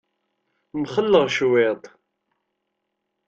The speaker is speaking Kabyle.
Mxelleɣ cwiṭ.